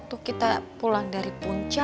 tuh kita pulang dari puncak